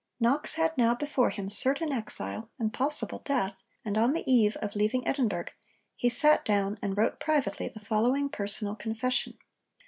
Knox had now before him certain exile and possible death, and on the eve of leaving Edinburgh he sat down and wrote privately the following personal confession.